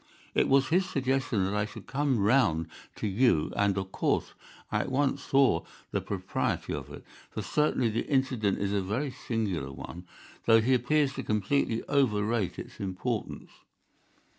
It was his suggestion that I should come round to you, and of course I at once saw the propriety of it, for certainly the incident is a very singular one, though he appears to completely overrate its importance.